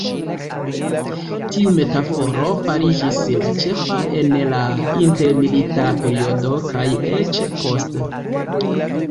Tiu metaforo fariĝis la ĉefa en la intermilita periodo kaj eĉ poste.